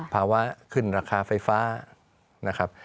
ภาวะขึ้นราคาไฟฟ้านะครับ